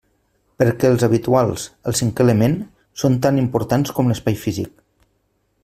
Perquè els habituals, el cinqué element, són tan importants com l'espai físic.